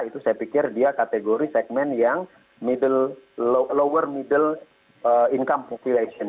itu saya pikir dia kategori segmen yang lower middle income population